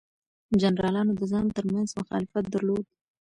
جنرالانو د ځان ترمنځ مخالفت درلود.